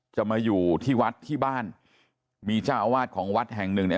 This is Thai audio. จะมาอยู่ที่วัดที่บ้านมีเจ้าอาวาสของวัดแห่งหนึ่งเนี่ย